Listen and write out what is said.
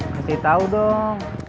kasih tau dong